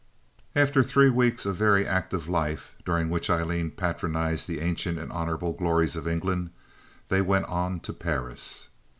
After three weeks of very active life, during which Aileen patronized the ancient and honorable glories of England, they went on to Paris.